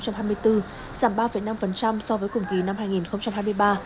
giảm ba năm so với cùng kỳ năm hai nghìn hai mươi ba